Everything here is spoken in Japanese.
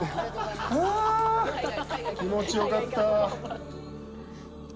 あ、気持ちよかった。